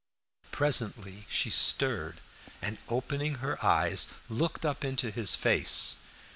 Presently she stirred, and opening her eyes, looked up into his face.